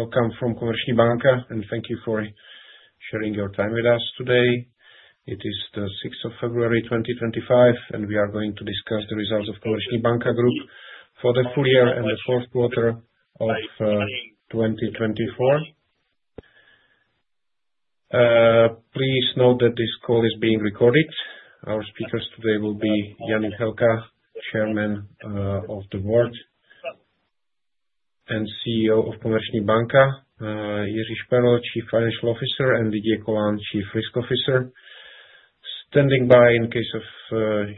Welcome from Komerční banka, and thank you for sharing your time with us today. It is the 6th of February 2025, and we are going to discuss the results of Komerční banka Group for the full year and the fourth quarter of 2024. Please note that this call is being recorded. Our speakers today will be Jan Juchelka, Chairman of the Board and CEO of Komerční banka, Jiří Šperl, Chief Financial Officer, and Didier Colin, Chief Risk Officer. Standing by in case of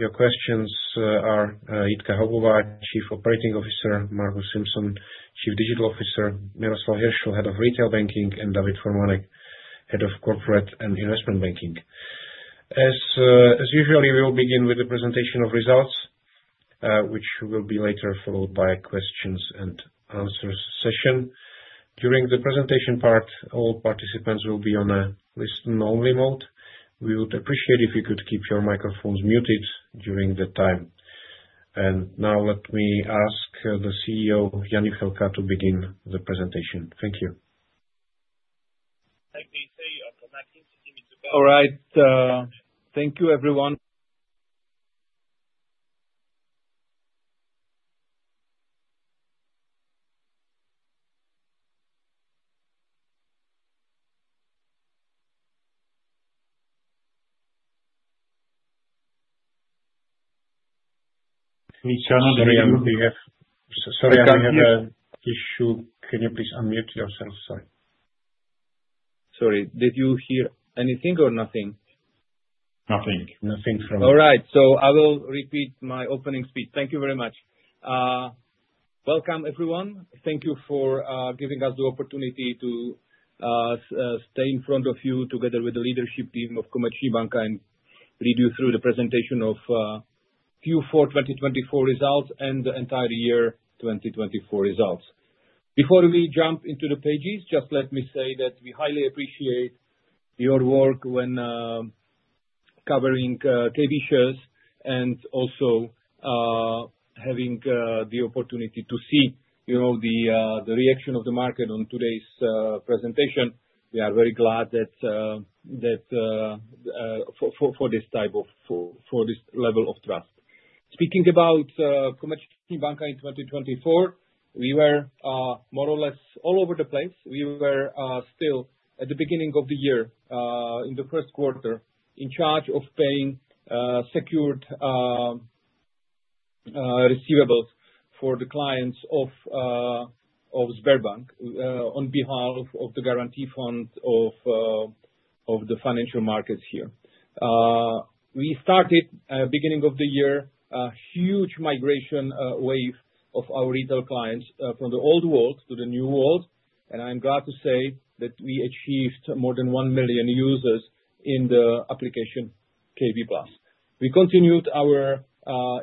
your questions are Jitka Haubová, Chief Operating Officer, Margus Simson, Chief Digital Officer, Miroslav Hiršl, Head of Retail Banking, and David Formánek, Head of Corporate and Investment Banking. As usual, we will begin with the presentation of results, which will be later followed by a questions-and-answers session. During the presentation part, all participants will be on a listen-only mode. We would appreciate it if you could keep your microphones muted during the time. And now, let me ask the CEO, Jan Juchelka, to begin the presentation. Thank you. Thank you. All right. Thank you, everyone. Sorry, we have an issue. Can you please unmute yourself? Sorry. Sorry. Did you hear anything or nothing? Nothing. Nothing from me. All right. So I will repeat my opening speech. Thank you very much. Welcome, everyone. Thank you for giving us the opportunity to stay in front of you together with the leadership team of Komerční banka and lead you through the presentation of Q4 2024 results and the entire year 2024 results. Before we jump into the pages, just let me say that we highly appreciate your work when covering KB shares and also having the opportunity to see the reaction of the market on today's presentation. We are very glad for this type of level of trust. Speaking about Komerční banka in 2024, we were more or less all over the place. We were still at the beginning of the year, in the first quarter, in charge of paying secured receivables for the clients of Sberbank on behalf of the guarantee fund of the financial markets here. We started at the beginning of the year a huge migration wave of our retail clients from the old world to the new world, and I'm glad to say that we achieved more than one million users in the application KB+. We continued our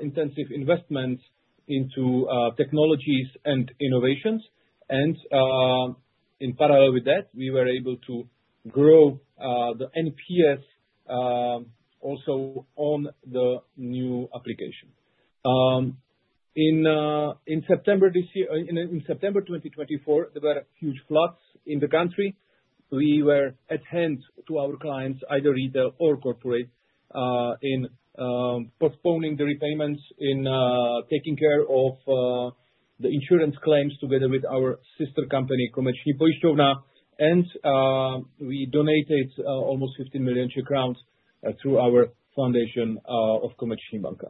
intensive investments into technologies and innovations, and in parallel with that, we were able to grow the NPS also on the new application. In September 2024, there were huge floods in the country. We were at hand to our clients, either retail or corporate, in postponing the repayments, in taking care of the insurance claims together with our sister company Komerční Pojišťovna, and we donated almost 15 million Czech crowns through our foundation of Komerční banka.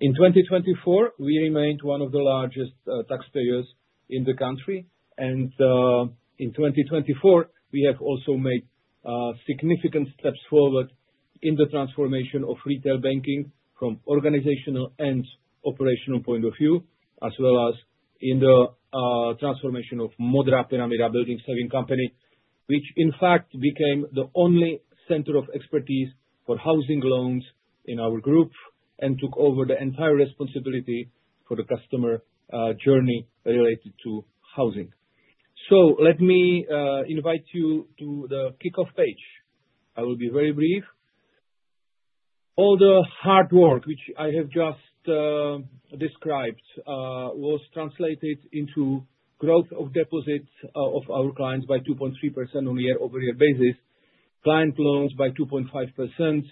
In 2024, we remained one of the largest taxpayers in the country, and in 2024, we have also made significant steps forward in the transformation of retail banking from organizational and operational point of view, as well as in the transformation of Modrá pyramida Building Saving Company, which in fact became the only center of expertise for housing loans in our group and took over the entire responsibility for the customer journey related to housing. So let me invite you to the kickoff page. I will be very brief. All the hard work, which I have just described, was translated into growth of deposits of our clients by 2.3% on a year-over-year basis, client loans by 2.5%,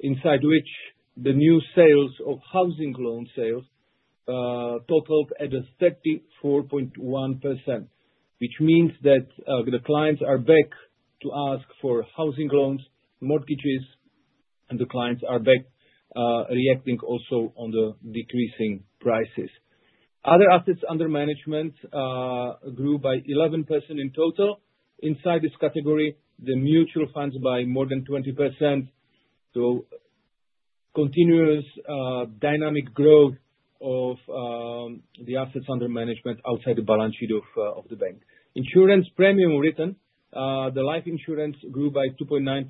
inside which the new sales of housing loan sales totaled at 34.1%, which means that the clients are back to ask for housing loans, mortgages, and the clients are back reacting also on the decreasing prices. Other assets under management grew by 11% in total. Inside this category, the mutual funds by more than 20%. So continuous dynamic growth of the assets under management outside the balance sheet of the bank. Insurance premium written, the life insurance grew by 2.9%,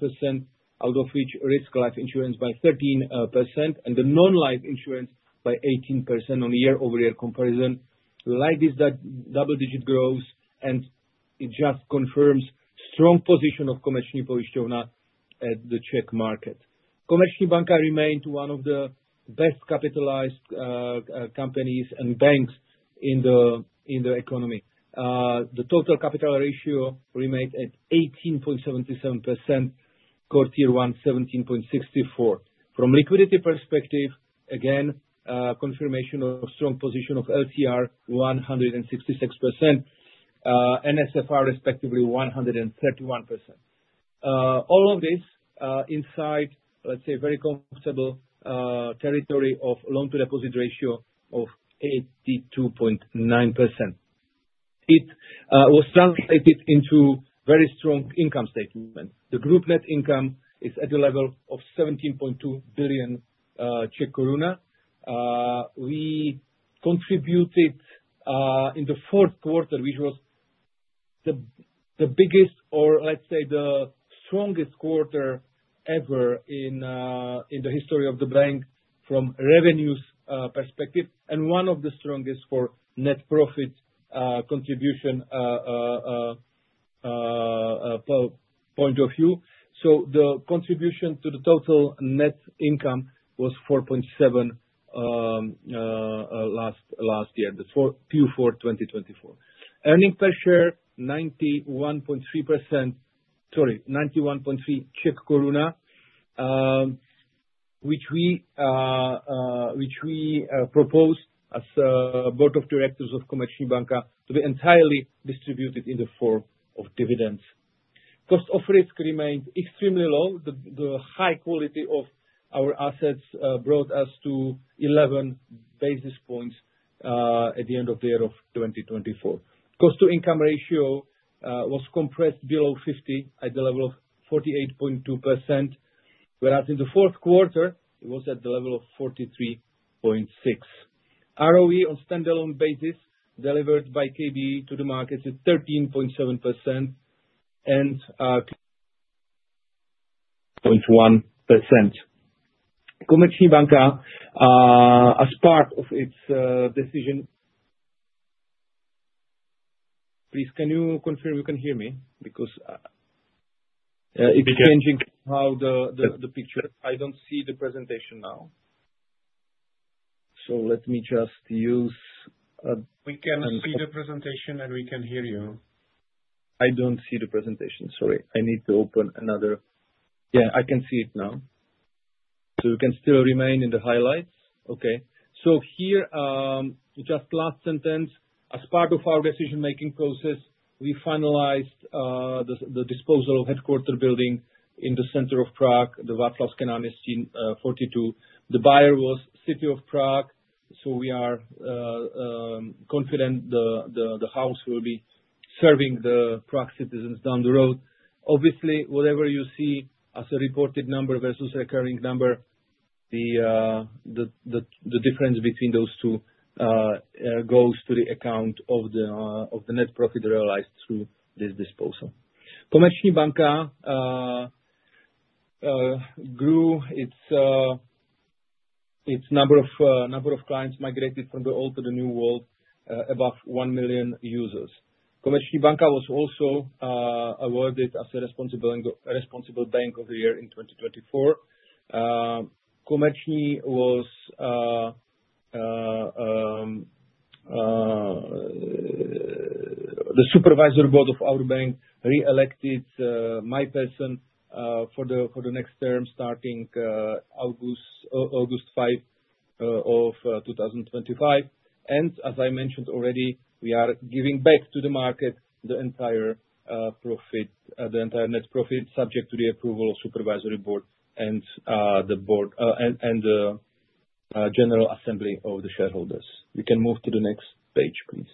out of which risk life insurance by 13%, and the non-life insurance by 18% on a year-over-year comparison. Like this double-digit growth, and it just confirms the strong position of Komerční Pojišťovna at the Czech market. Komerční banka remained one of the best capitalized companies and banks in the economy. The total capital ratio remained at 18.77%, Core Tier 1 17.64%. From liquidity perspective, again, confirmation of strong position of LCR 166%, NSFR respectively 131%. All of this inside, let's say, a very comfortable territory of loan-to-deposit ratio of 82.9%. It was translated into a very strong income statement. The group net income is at the level of 17.2 billion Czech koruna. We contributed in the fourth quarter, which was the biggest or, let's say, the strongest quarter ever in the history of the bank from revenues perspective, and one of the strongest for net profit contribution point of view. So the contribution to the total net income was 4.7% last year, Q4 2024. Earnings per share 91.3%, sorry, 91.3, which we proposed as board of directors of Komerční banka to be entirely distributed in the form of dividends. Cost of risk remained extremely low. The high quality of our assets brought us to 11 basis points at the end of the year of 2024. Cost-to-income ratio was compressed below 50 at the level of 48.2%, whereas in the fourth quarter, it was at the level of 43.6. ROE on standalone basis delivered by KB to the market is 13.7% and 0.1%. Komerční banka, as part of its decision. Please, can you confirm you can hear me? Because it's changing how the picture. I don't see the presentation now. So let me just use a. We can see the presentation and we can hear you. I don't see the presentation. Sorry. I need to open another. Yeah, I can see it now. So you can still remain in the highlights. Okay. So here, just last sentence, as part of our decision-making process, we finalized the disposal of headquarters building in the center of Prague, the Václavské náměstí 42. The buyer was City of Prague, so we are confident the house will be serving the Prague citizens down the road. Obviously, whatever you see as a reported number versus a recurring number, the difference between those two goes to the account of the net profit realized through this disposal. Komerční banka grew its number of clients migrated from the old to the new world, above one million users. Komerční banka was also awarded as a Responsible Bank of the Year in 2024. Komerční's supervisory board of our bank re-elected my person for the next term starting August 5 of 2025. As I mentioned already, we are giving back to the market the entire profit, the entire net profit, subject to the approval of the supervisory board and the general assembly of the shareholders. You can move to the next page, please.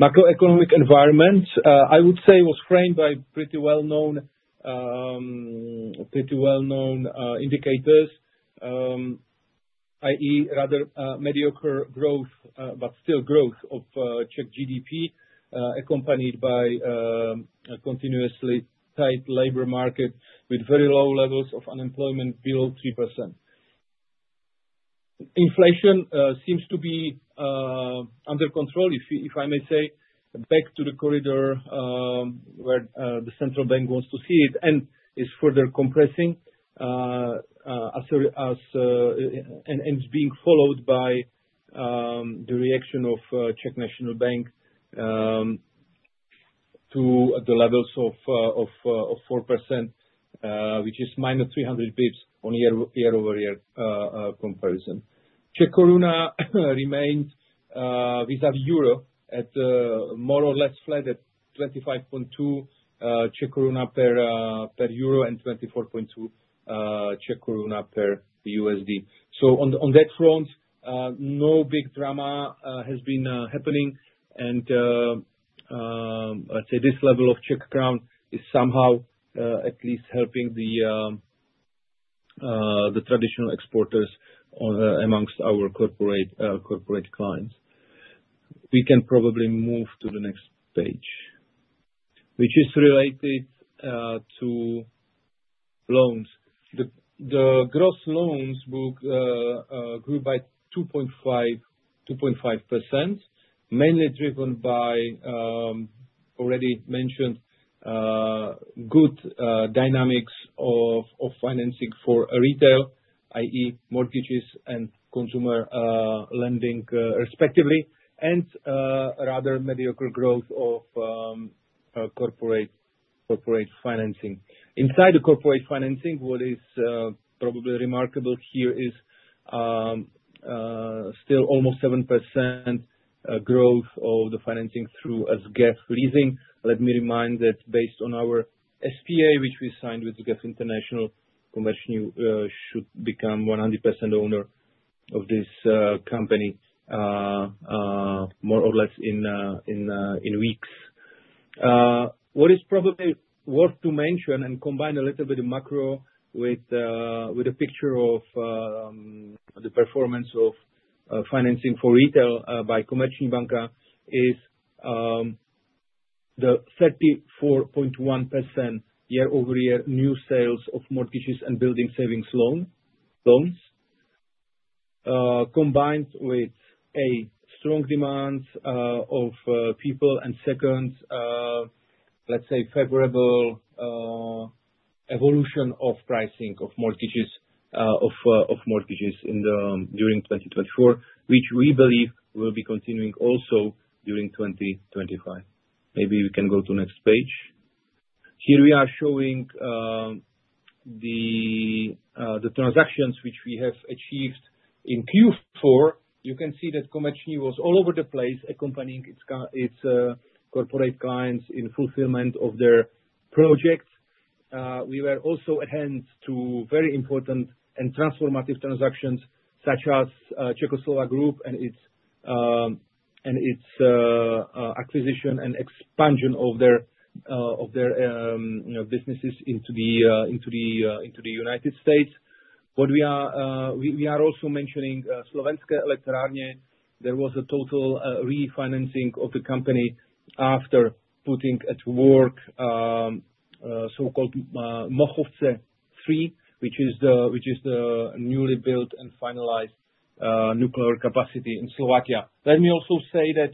Macroeconomic environment, I would say, was framed by pretty well-known indicators, i.e., rather mediocre growth, but still growth of Czech GDP, accompanied by a continuously tight labor market with very low levels of unemployment below 3%. Inflation seems to be under control, if I may say, back to the corridor where the central bank wants to see it and is further compressing and is being followed by the reaction of Czech National Bank to the levels of 4%, which is -300 basis points on a year-over-year comparison. Czech koruna remained vis-à-vis Euro more or less flat at 25.2 CZK per EUR and 24.2 CZK per USD. So on that front, no big drama has been happening, and let's say this level of Czech crown is somehow at least helping the traditional exporters amongst our corporate clients. We can probably move to the next page, which is related to loans. The gross loans grew by 2.5%, mainly driven by already mentioned good dynamics of financing for retail, i.e., mortgages and consumer lending respectively, and rather mediocre growth of corporate financing. Inside the corporate financing, what is probably remarkable here is still almost 7% growth of the financing through SGEF leasing. Let me remind that based on our SPA, which we signed with SGEF International, Komerční should become 100% owner of this company more or less in weeks. What is probably worth to mention and combine a little bit of macro with a picture of the performance of financing for retail by Komerční banka is the 34.1% year-over-year new sales of mortgages and building savings loans, combined with a strong demand of people and second, let's say, favorable evolution of pricing of mortgages during 2024, which we believe will be continuing also during 2025. Maybe we can go to the next page. Here we are showing the transactions which we have achieved in Q4. You can see that Komerční was all over the place accompanying its corporate clients in fulfillment of their projects. We were also at hand to very important and transformative transactions such as Czechoslovak Group and its acquisition and expansion of their businesses into the United States. We are also mentioning Slovenské elektrárne. There was a total refinancing of the company after putting at work so-called Mochovce 3, which is the newly built and finalized nuclear capacity in Slovakia. Let me also say that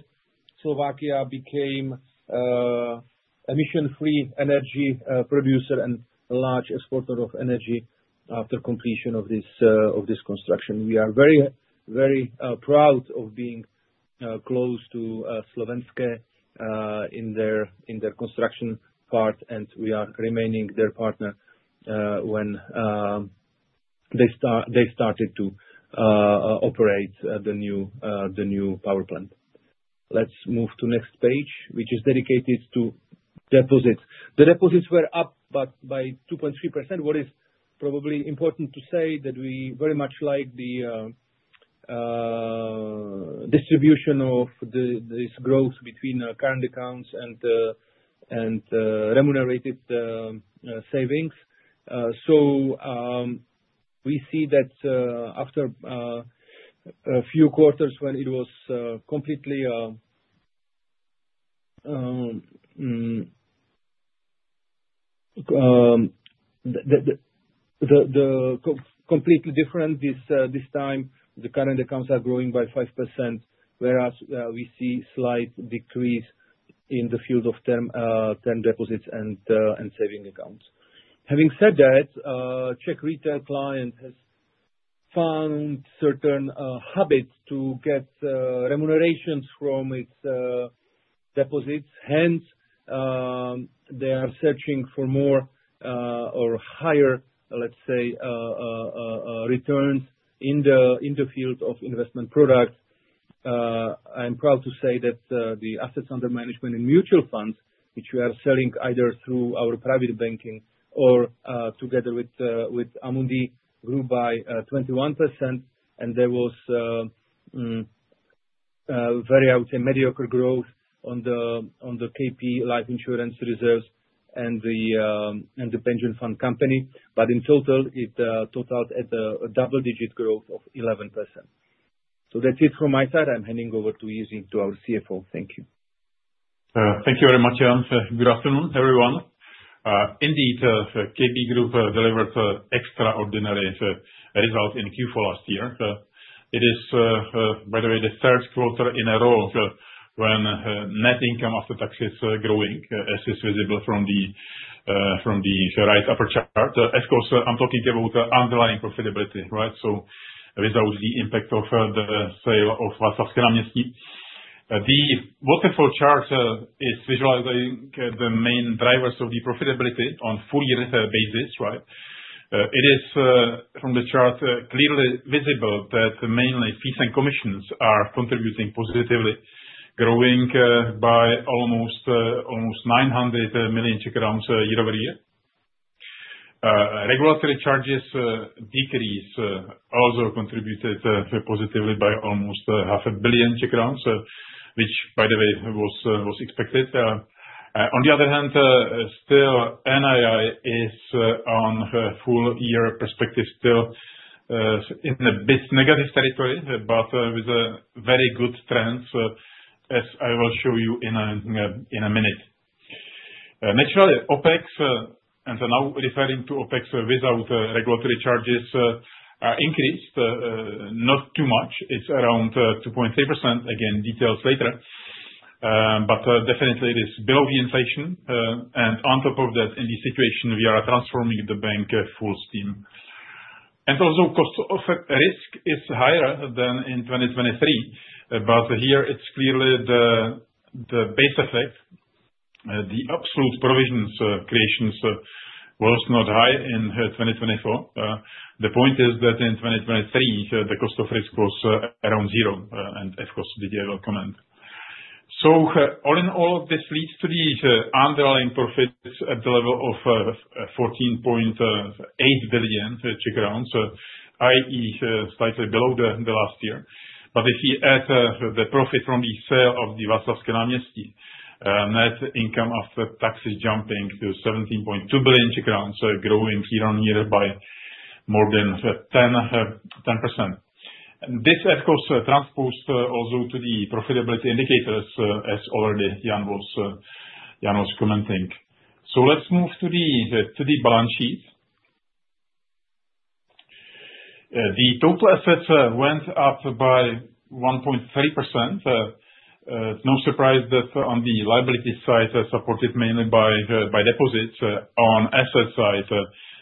Slovakia became an emission-free energy producer and a large exporter of energy after completion of this construction. We are very, very proud of being close to Slovenské in their construction part, and we are remaining their partner when they started to operate the new power plant. Let's move to the next page, which is dedicated to deposits. The deposits were up by 2.3%, which is probably important to say that we very much like the distribution of this growth between current accounts and remunerated savings. So we see that after a few quarters when it was completely different this time, the current accounts are growing by 5%, whereas we see a slight decrease in the field of term deposits and savings accounts. Having said that, Czech retail client has found certain habits to get remunerations from its deposits. Hence, they are searching for more or higher, let's say, returns in the field of investment product. I am proud to say that the assets under management in mutual funds, which we are selling either through our private banking or together with Amundi, grew by 21%, and there was very, I would say, mediocre growth on the KP life insurance reserves and the pension fund company. But in total, it totaled at a double-digit growth of 11%. So that's it from my side. I'm handing over to Jiří, to our CFO. Thank you. Thank you very much, Jan. Good afternoon, everyone. Indeed, KB Group delivered extraordinary results in Q4 last year. It is, by the way, the third quarter in a row when net income after taxes is growing, as is visible from the right upper chart. Of course, I'm talking about underlying profitability, right? So without the impact of the sale of Václavské náměstí. The waterfall chart is visualizing the main drivers of the profitability on a full-year basis, right? It is, from the chart, clearly visible that mainly fees and commissions are contributing positively, growing by almost 900 million year-over-year. Regulatory charges' decrease also contributed positively by almost 500 million, which, by the way, was expected. On the other hand, still, NII is on a full-year perspective, still in a bit negative territory, but with very good trends, as I will show you in a minute. Naturally, OpEx, and now referring to OpEx without regulatory charges, increased, not too much. It's around 2.3%. Again, details later. But definitely, it is below the inflation. And on top of that, in this situation, we are transforming the bank full steam. And also, cost of risk is higher than in 2023. But here, it's clearly the base effect. The absolute provisions creations were not high in 2024. The point is that in 2023, the cost of risk was around zero, and of course, Didier will comment. So all in all, this leads to the underlying profits at the level of 14.8 billion, i.e., slightly below the last year. But if you add the profit from the sale of the Václavské náměstí, net income after taxes jumping to 17.2 billion Czech crowns, growing year-on-year by more than 10%. This, of course, transposed also to the profitability indicators, as already Jan was commenting. So let's move to the balance sheet. The total assets went up by 1.3%. No surprise that on the liability side, supported mainly by deposits on asset side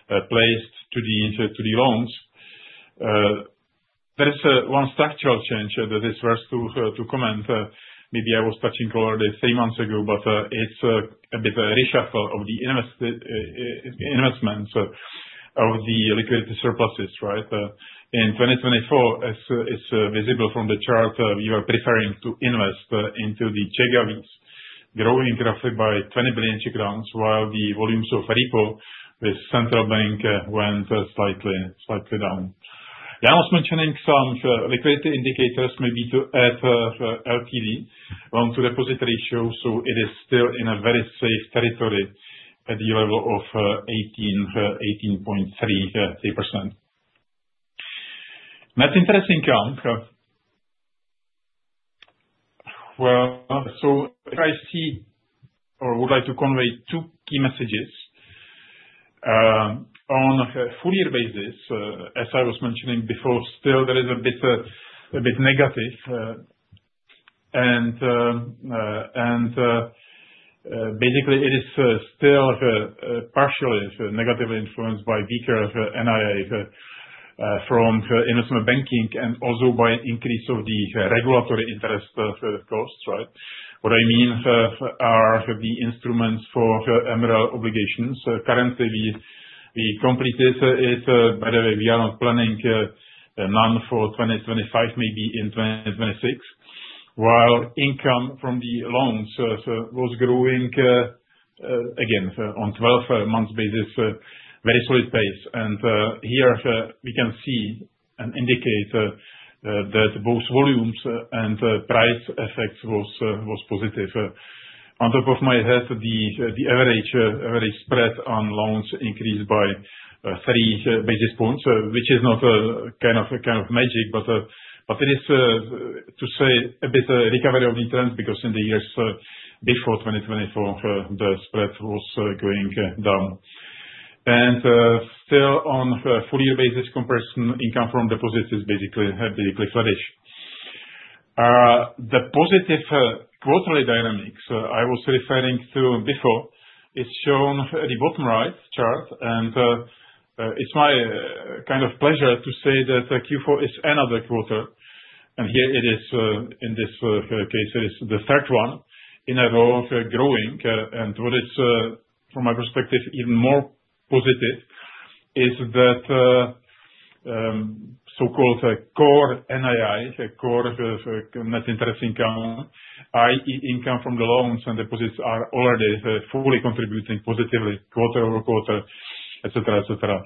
placed to the loans. There is one structural change that is worth to comment. Maybe I was touching already three months ago, but it's a bit of a reshuffle of the investments of the liquidity surpluses, right? In 2024, as is visible from the chart, we were preferring to invest into the Czech govies, growing roughly by 20 billion, while the volumes of repo with central bank went slightly down. Jan was mentioning some liquidity indicators, maybe the LTD Loan-to-Deposit ratio, so it is still in a very safe territory at the level of 18.3%. Well, so if I see or would like to convey two key messages. On a full-year basis, as I was mentioning before, still, there is a bit negative, and basically, it is still partially negatively influenced by weaker NII from investment banking and also by increase of the regulatory interest costs, right? What I mean are the instruments for MREL obligations. Currently, we completed it. By the way, we are not planning none for 2025, maybe in 2026, while income from the loans was growing again on a 12-month basis, very solid pace. And here we can see and indicate that both volumes and price effects were positive. The top of my head, the average spread on loans increased by 3 basis points, which is not a kind of magic, but it is to say a bit of recovery of the trends because in the years before 2024, the spread was going down. And still, on a full-year basis, comparison income from deposits is basically flourishing. The positive quarterly dynamics I was referring to before is shown at the bottom right chart. And it's my kind of pleasure to say that Q4 is another quarter. And here it is, in this case, it is the third one in a row of growing. And what is, from my perspective, even more positive is that so-called core NII, core net interest income, i.e., income from the loans and deposits are already fully contributing positively quarter over quarter, etc., etc.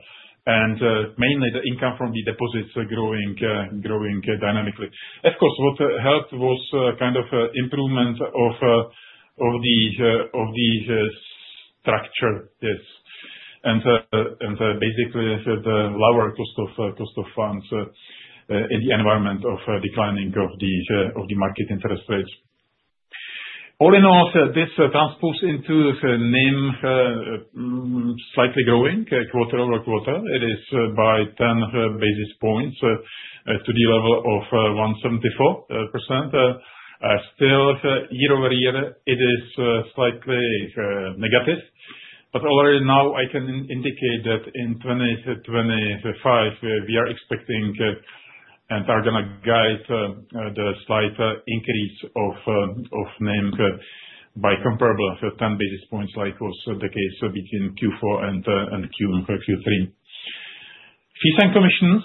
And mainly the income from the deposits are growing dynamically. Of course, what helped was kind of improvement of the structure, yes, and basically, the lower cost of funds in the environment of declining of the market interest rates. All in all, this translated into NIM slightly growing quarter-over-quarter. It is by 10 basis points to the level of 174%. Still, year-over-year, it is slightly negative. But already now, I can indicate that in 2025, we are expecting and are going to guide the slight increase of NIM by comparable 10 basis points, like was the case between Q4 and Q3. Fees and commissions.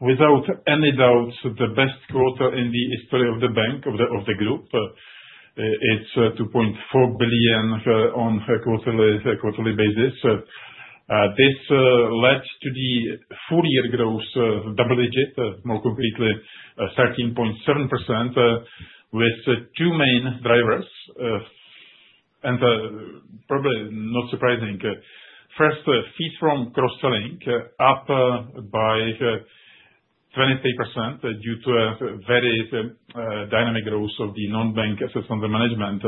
Without any doubt, the best quarter in the history of the bank, of the group, it's 2.4 billion on a quarterly basis. This led to the full-year growth, double-digit, more concretely, 13.7% with two main drivers, and probably not surprising. First, fees from cross-selling up by 23% due to a very dynamic growth of the non-bank assets under management,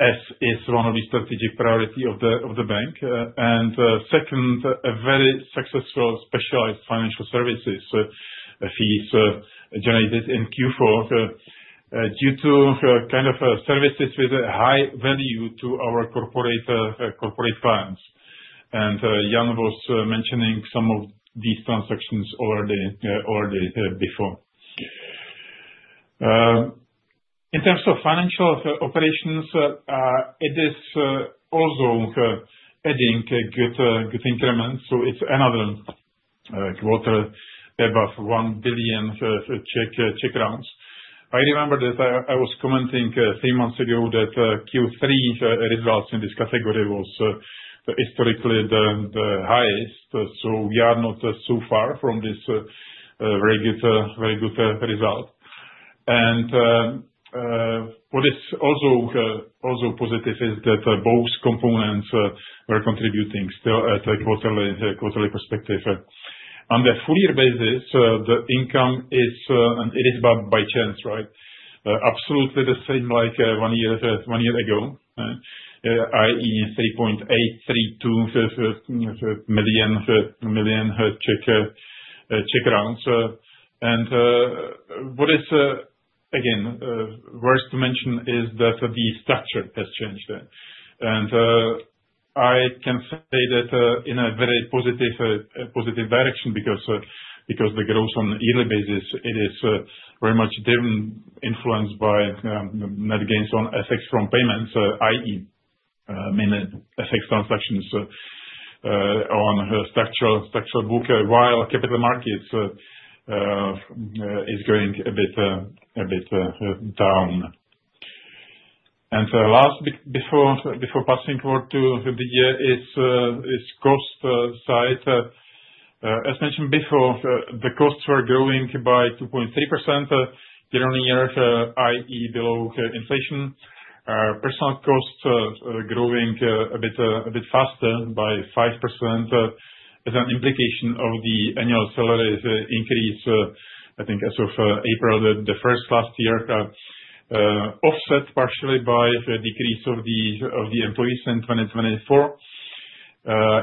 as is one of the strategic priorities of the bank. And second, a very successful specialized financial services fees generated in Q4 due to kind of services with a high value to our corporate clients. And Jan was mentioning some of these transactions already before. In terms of financial operations, it is also adding good increments. So it's another quarter above 1 billion rounds. I remember that I was commenting three months ago that Q3 results in this category was historically the highest. So we are not so far from this very good result. And what is also positive is that both components were contributing still at a quarterly perspective. On the full-year basis, the income is, and it is by chance, right? Absolutely the same like one year ago, i.e., 3.832 million rounds. And what is, again, worth to mention is that the structure has changed. And I can say that in a very positive direction because the growth on a yearly basis, it is very much influenced by net gains on FX from payments, i.e., mainly FX transactions on her structural book, while capital markets are going a bit down. And last, before passing over to Didier, is cost side. As mentioned before, the costs were growing by 2.3% year-on-year, i.e., below inflation. Personnel costs are growing a bit faster by 5% as an implication of the annual salary increase, I think, as of April the first last year, offset partially by the decrease of the employees in 2024.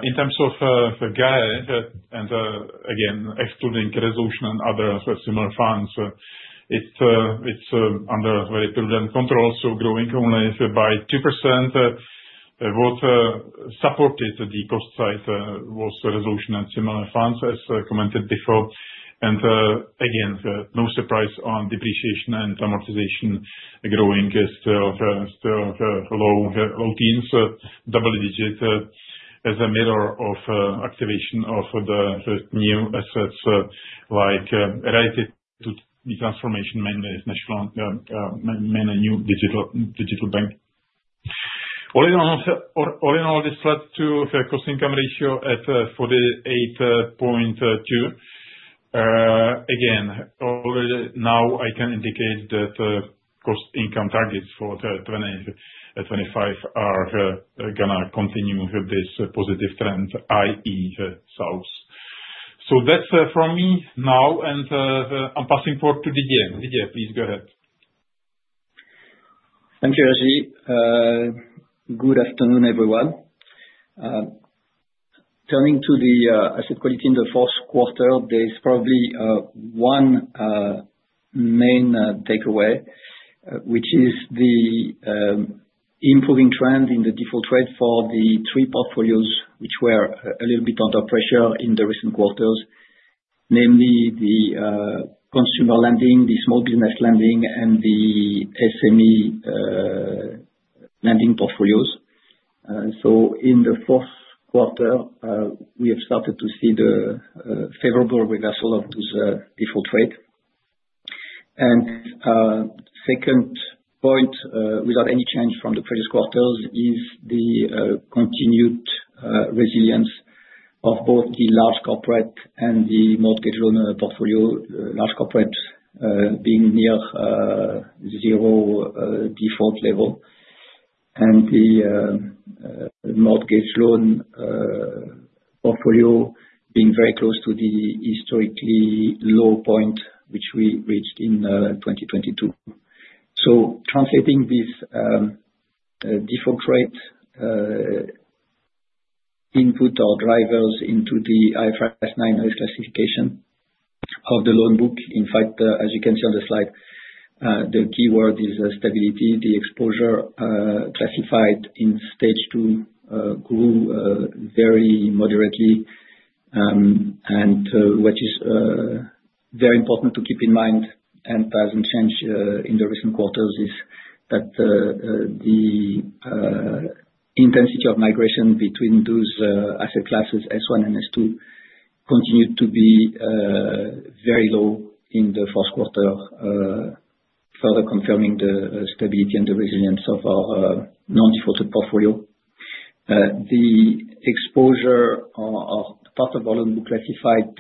In terms of GAE, and again, excluding resolution and other similar funds, it's under very prudent control, so growing only by 2%. What supported the cost side was resolution and similar funds, as commented before. And again, no surprise on depreciation and amortization growing still low teens, double-digit as a mirror of activation of the new assets like related to the transformation, mainly national, mainly new digital bank. All in all, this led to a cost income ratio at 48.2%. Again, already now, I can indicate that cost income targets for 2025 are going to continue this positive trend, i.e., sales. So that's from me now, and I'm passing forward to Didier. Didier, please go ahead. Thank you, Jiří. Good afternoon, everyone. Turning to the asset quality in the fourth quarter, there is probably one main takeaway, which is the improving trend in the default rate for the three portfolios, which were a little bit under pressure in the recent quarters, namely the consumer lending, the small business lending, and the SME lending portfolios. So in the fourth quarter, we have started to see the favorable reversal of this default rate. And second point, without any change from the previous quarters, is the continued resilience of both the large corporate and the mortgage loan portfolio, large corporate being near zero default level and the mortgage loan portfolio being very close to the historically low point, which we reached in 2022. Translating this default rate input or drivers into the IFRS 9 risk classification of the loan book, in fact, as you can see on the slide, the keyword is stability. The exposure classified in stage two grew very moderately. And what is very important to keep in mind and doesn't change in the recent quarters is that the intensity of migration between those asset classes, S1 and S2, continued to be very low in the fourth quarter, further confirming the stability and the resilience of our non-defaulted portfolio. The exposure or part of our loan book classified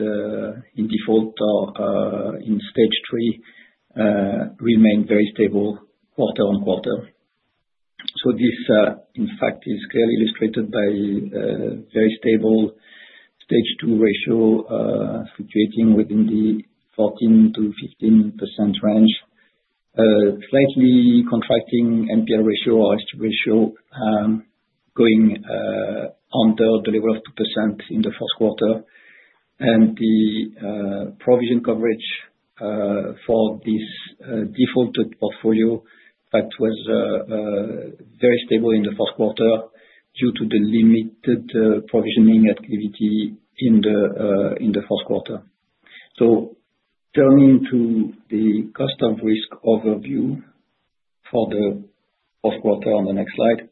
in default or in stage three remained very stable quarter on quarter. This, in fact, is clearly illustrated by a very stable stage two ratio fluctuating within the 14%-15% range, slightly contracting NPL ratio or S2 ratio going under the level of 2% in the fourth quarter. The provision coverage for this defaulted portfolio, in fact, was very stable in the fourth quarter due to the limited provisioning activity in the fourth quarter. Turning to the cost of risk overview for the fourth quarter on the next slide.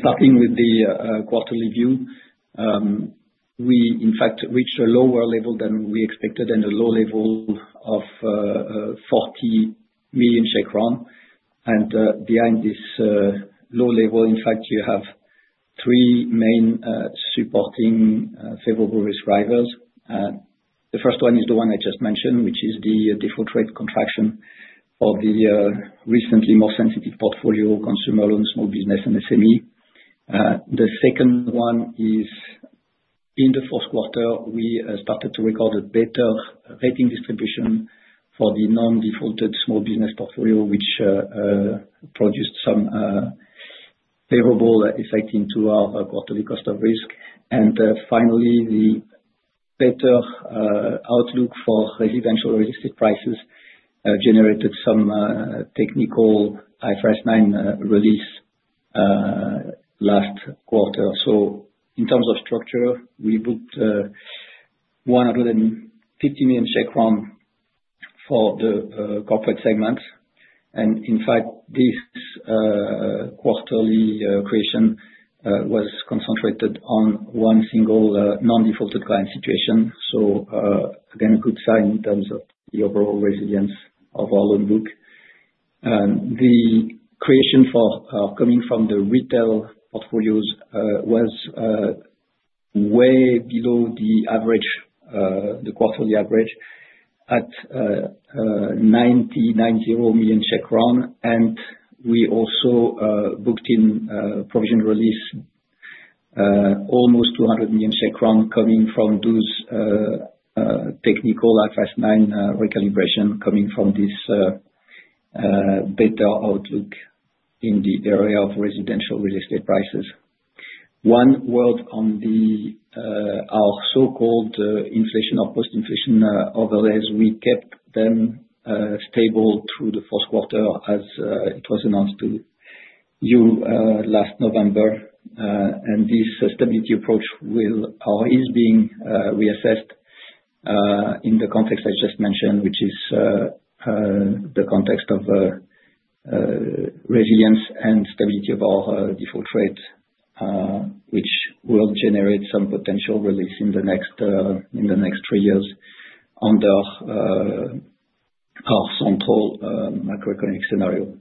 Starting with the quarterly view, we, in fact, reached a lower level than we expected and a low level of 40 million. Behind this low level, in fact, you have three main supporting favorable risk drivers. The first one is the one I just mentioned, which is the default rate contraction for the recently more sensitive portfolio, consumer loan, small business, and SME. The second one is, in the fourth quarter, we started to record a better rating distribution for the non-defaulted small business portfolio, which produced some favorable effect into our quarterly cost of risk. And finally, the better outlook for residential real estate prices generated some technical IFRS 9 release last quarter. So in terms of structure, we booked 150 million for the corporate segments. And in fact, this quarterly creation was concentrated on one single non-defaulted client situation. So again, a good sign in terms of the overall resilience of our loan book. The creation for coming from the retail portfolios was way below the average, the quarterly average at 90 million. And we also booked in provision release almost 200 million coming from those technical IFRS 9 recalibrations coming from this better outlook in the area of residential real estate prices. One word on our so-called inflation or post-inflation overlays. We kept them stable through the fourth quarter as it was announced to you last November. This stability approach is being reassessed in the context I just mentioned, which is the context of resilience and stability of our default rate, which will generate some potential release in the next three years under our central macroeconomic scenario.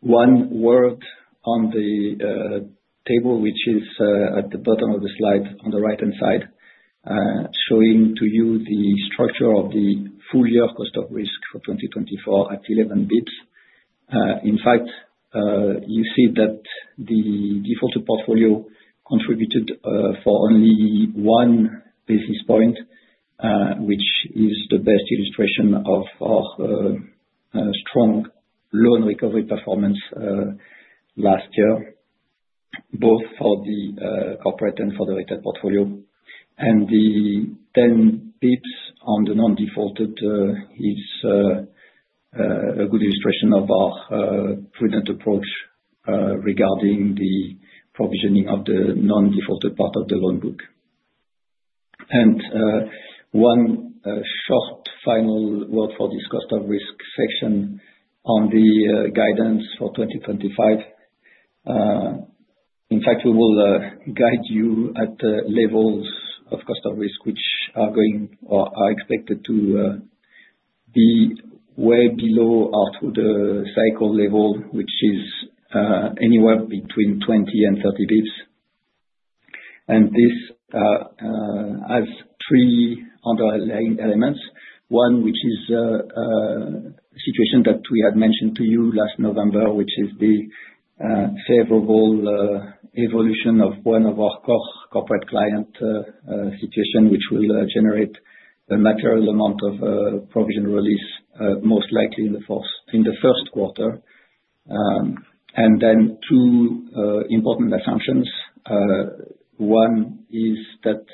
One word on the table, which is at the bottom of the slide on the right-hand side, showing to you the structure of the full-year cost of risk for 2024 at 11 basis points. In fact, you see that the defaulted portfolio contributed for only one basis point, which is the best illustration of our strong loan recovery performance last year, both for the corporate and for the retail portfolio. The 10 basis points on the non-defaulted is a good illustration of our prudent approach regarding the provisioning of the non-defaulted part of the loan book. One short final word for this cost of risk section on the guidance for 2025. In fact, we will guide you at levels of cost of risk, which are going or are expected to be way below our cycle level, which is anywhere between 20 basis points and 30 basis points. This has three underlying elements. One, which is a situation that we had mentioned to you last November, which will generate a material amount of provision release, most likely in the first quarter. Then two important assumptions. One is that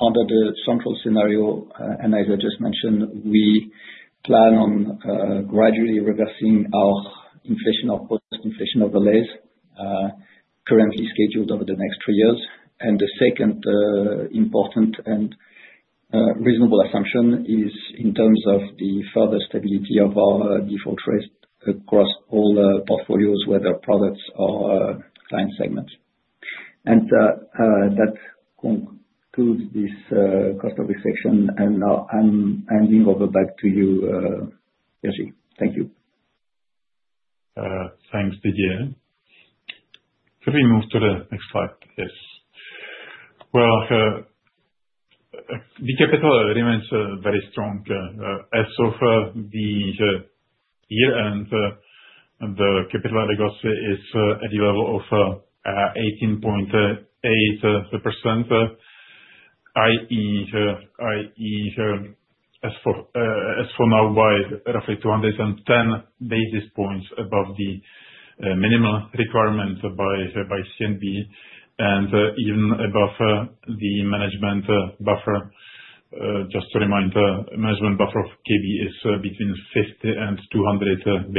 under the central scenario, and as I just mentioned, we plan on gradually reversing our inflation or post-inflation overlays currently scheduled over the next three years. The second important and reasonable assumption is in terms of the further stability of our default rate across all portfolios, whether products or client segments. That concludes this cost of risk section. Now I'm handing over back to you. Thank you. Thanks, Didier. Could we move to the next slide? Yes. Well, the capital adequacy is very strong as of the year, and the capital adequacy is at the level of 18.8%, i.e., as of now, by roughly 210 basis points above the minimum requirement by CNB, and even above the management buffer. Just to remind, the management buffer of KB is between 50 basis points and 200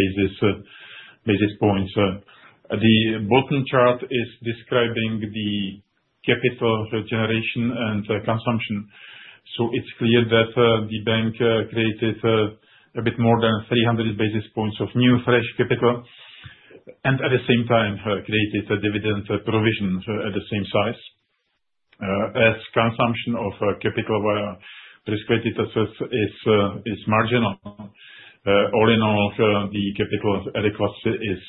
basis points. The bottom chart is describing the capital generation and consumption. So it's clear that the bank created a bit more than 300 basis points of new fresh capital and at the same time created a dividend provision at the same size. As consumption of capital via risk-weighted assets is marginal, all in all, the capital adequacy is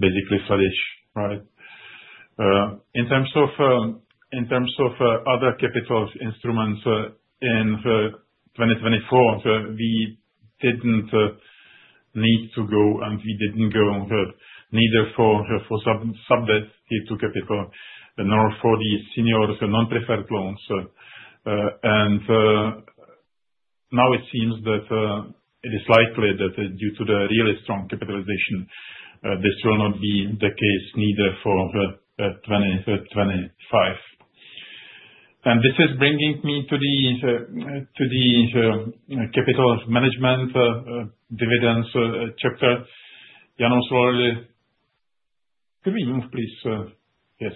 basically flourishing, right? In terms of other capital instruments in 2024, we didn't need to go, and we didn't go neither for sub-debt to capital nor for the senior non-preferred loans. And now it seems that it is likely that due to the really strong capitalization, this will not be the case neither for 2025. And this is bringing me to the capital management dividends chapter. Jan Juchelka, could we move, please? Yes.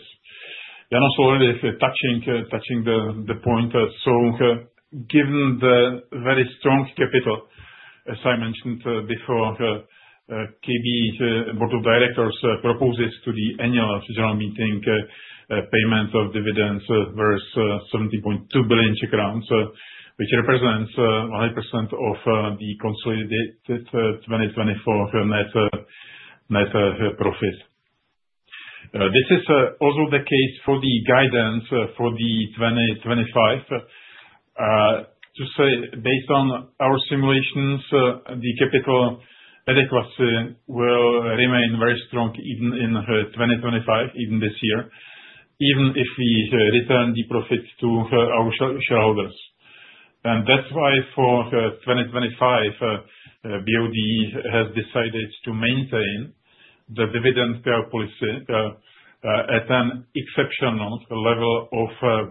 Jan Juchelka is touching the point. So given the very strong capital, as I mentioned before, KB board of directors proposes to the annual general meeting payment of dividends versus 70.2 billion Czech crowns, which represents 1% of the consolidated 2024 net profit. This is also the case for the guidance for the 2025. Based on our simulations, the capital adequacy will remain very strong even in 2025, even this year, even if we return the profit to our shareholders. And that's why for 2025, BOD has decided to maintain the dividend payout policy at an exceptional level of 100%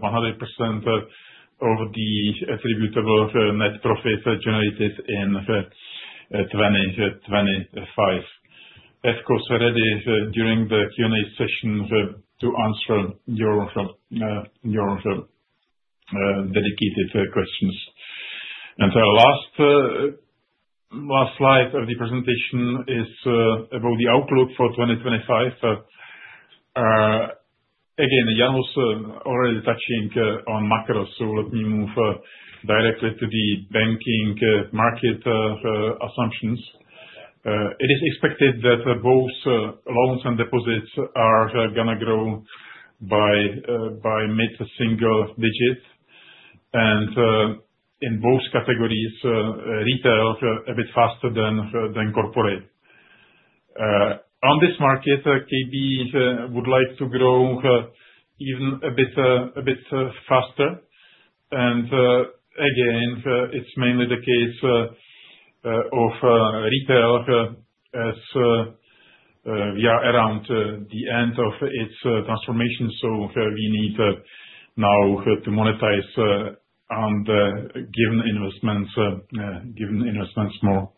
of the attributable net profit generated in 2025. I'm also ready during the Q&A session to answer your dedicated questions. And the last slide of the presentation is about the outlook for 2025. Again, Jan was already touching on macros, so let me move directly to the banking market assumptions. It is expected that both loans and deposits are going to grow by mid- to single-digit. And in both categories, retail a bit faster than corporate. On this market, KB would like to grow even a bit faster. Again, it's mainly the case of retail as we are around the end of its transformation. So we need now to monetize on the given investments more.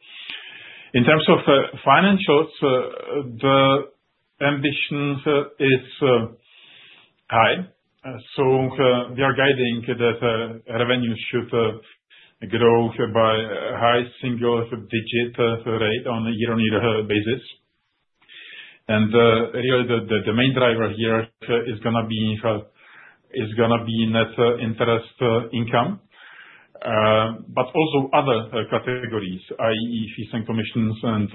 In terms of financials, the ambition is high. So we are guiding that revenues should grow by a high single digit rate on a year-on-year basis. And really, the main driver here is going to be net interest income, but also other categories, i.e., fees and commissions and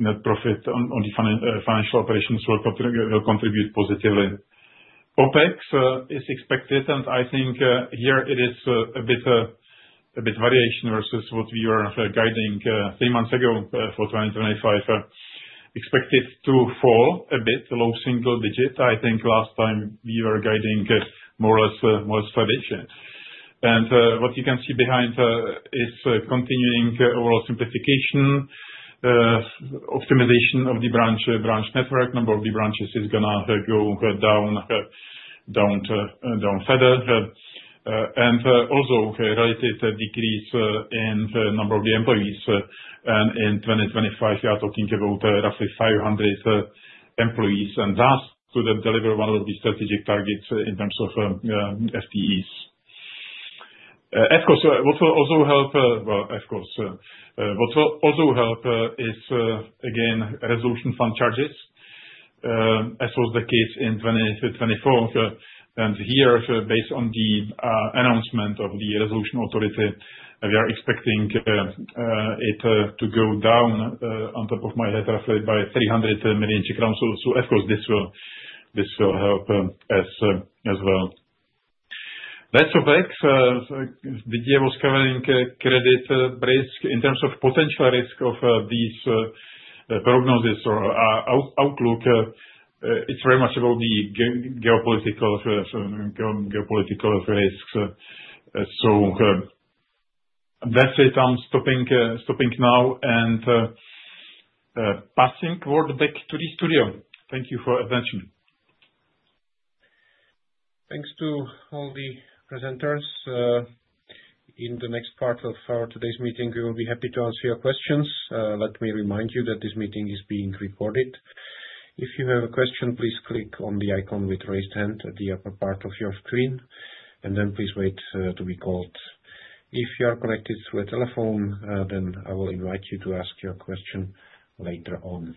net profit on the financial operations will contribute positively. OpEx is expected, and I think here it is a bit variation versus what we were guiding three months ago for 2025. Expected to fall a bit, low single digit. I think last time we were guiding more or less flat. And what you can see behind is continuing overall simplification, optimization of the branch network. Number of the branches is going to go down further. And also a relative decrease in the number of the employees. And in 2025, we are talking about roughly 500 employees. And that's to deliver one of the strategic targets in terms of FTEs. Of course, what will also help, well, of course, what will also help is, again, resolution fund charges, as was the case in 2024. And here, based on the announcement of the resolution authority, we are expecting it to go down off the top of my head roughly by CZK 300 million. So of course, this will help us as well. That's OpEx. Didier was covering credit risk. In terms of potential risk of these prognoses or outlook, it's very much about the geopolitical risks. So that's it. I'm stopping now and passing word back to the studio. Thank you for attention. Thanks to all the presenters. In the next part of our today's meeting, we will be happy to answer your questions. Let me remind you that this meeting is being recorded. If you have a question, please click on the icon with raised hand at the upper part of your screen, and then please wait to be called. If you are connected through a telephone, then I will invite you to ask your question later on.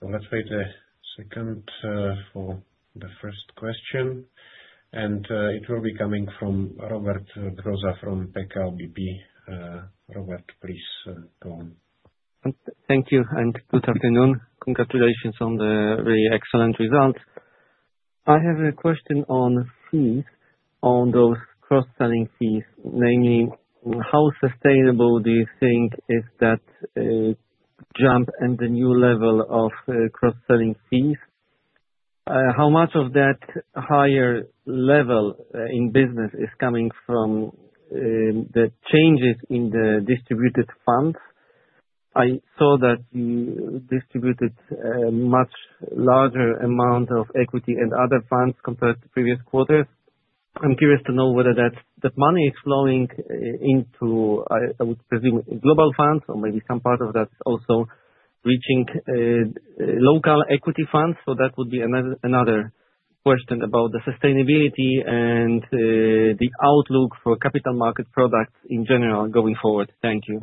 So let's wait a second for the first question, and it will be coming from Robert Brzoza from PKO BP. Robert, please go on. Thank you. And good afternoon. Congratulations on the really excellent results. I have a question on fees, on those cross-selling fees. Namely, how sustainable do you think is that jump and the new level of cross-selling fees? How much of that higher level in business is coming from the changes in the distributed funds? I saw that you distributed a much larger amount of equity and other funds compared to previous quarters. I'm curious to know whether that money is flowing into, I would presume, global funds or maybe some part of that also reaching local equity funds. So that would be another question about the sustainability and the outlook for capital market products in general going forward. Thank you.